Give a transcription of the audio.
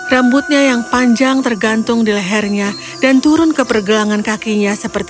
rambutnya yang panjang tergantung di lehernya dan turun ke pergelangan kakinya seperti